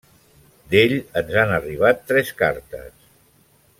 D'ell ens han arribat tres cartes.